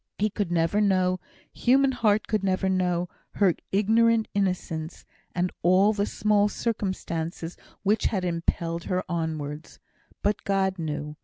He could never know human heart could never know, her ignorant innocence, and all the small circumstances which had impelled her onwards. But God knew.